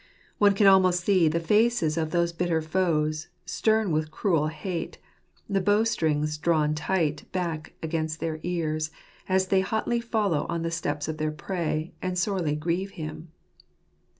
One can almost see the faces of those bitter foes, stem with cruel hate, the bow strings drawn tight back against their ears, as they hotly follow on the steps of their prey, and sorely grieve him.